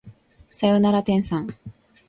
さよなら天さん